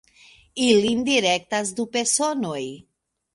Ilin direktas du personoj.